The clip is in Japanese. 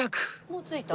もう着いた？